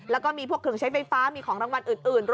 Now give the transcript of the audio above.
แล้วก็มีพวกเครื่องใช้ไฟฟ้ามีของรางวัลอื่น